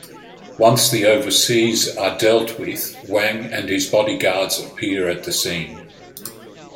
Once the overseers are dealt with, Wang and his bodyguards appear at the scene.